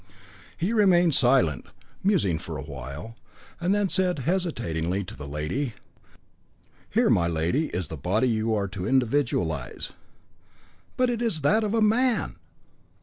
He remained silent, musing for a while, and then said hesitatingly to the lady: "Here, my lady, is the body you are to individualise." "But it is that of a man!"